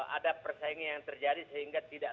ada persaingan yang terjadi sehingga tidak